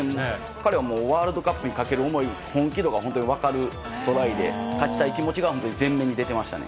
彼は、ワールドカップにかける思い、本気度が本当に分かるトライで、勝ちたい気持ちが本当に前面に出てましたね。